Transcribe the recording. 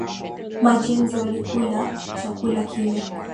Majenzi walikula chakula kile